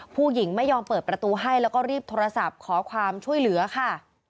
ผู้หญิงไม่ยอมเปิดประตูให้แล้วก็รีบโทรศัพท์ขอความช่วยเหลือค่ะ